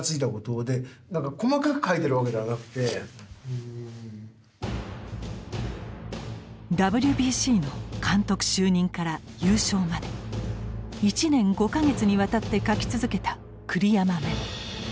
まあＷＢＣの監督就任から優勝まで１年５か月にわたって書き続けた栗山メモ。